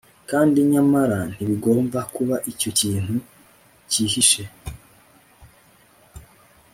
Kandi nyamara ntibigomba kuba icyo kintu cyihishe